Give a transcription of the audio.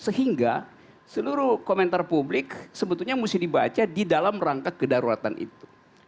sehingga seluruh komentar publik sebetulnya mesti dibaca di dalam rangka kedaruratan itu